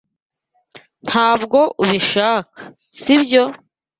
Ntabwo ubishaka, sibyo?